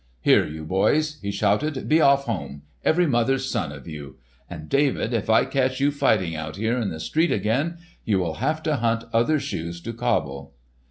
"Here you boys!" he shouted. "Be off home, every mother's son of you! And David, if I catch you fighting out here in the street again, you will have to hunt other shoes to cobble."